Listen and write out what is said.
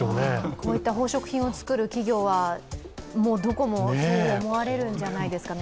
こういった宝飾品を作る企業はどこもそう思われるんじゃないですかね。